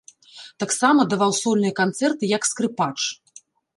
Таксама даваў сольныя канцэрты як скрыпач.